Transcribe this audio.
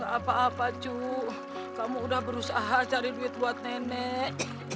gak apa apa cu kamu udah berusaha cari duit buat nenek